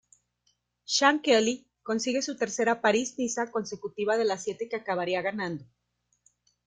Sean Kelly consigue su tercera París-Niza consecutiva de las siete que acabaría ganando.